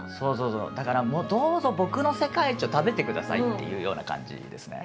だからどうぞ僕の世界一を食べてくださいっていうような感じですね